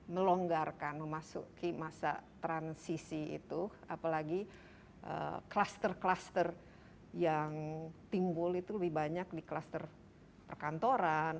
melonggarkan memasuki masa transisi itu apalagi kluster kluster yang timbul itu lebih banyak di kluster perkantoran